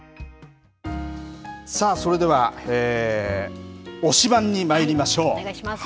それでは推しバン！にまいりましお願いします。